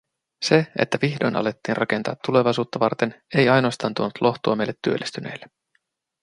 Se, että vihdoin alettiin rakentaa tulevaisuutta varten, ei ainoastaan tuonut lohtua meille työllistyneille.